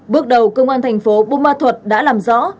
bước đầu công an thành phố buôn ma thuột đã làm rõ